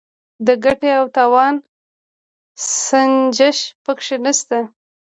د ګټې او تاوان سنجش پکې نشته.